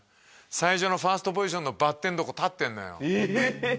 最初のファーストポジションのバッテンのとこ立ってんのよええ！